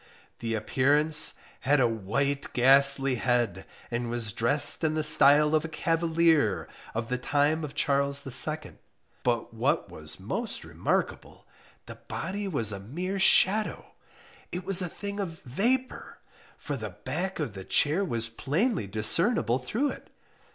The appearance had a white ghastly head, and was dressed in the style of a cavalier of the time of Charles II; but what was most remarkable, the body was a mere shadow, it was a thing of vapour, for the back of the chair was plainly discernible through it.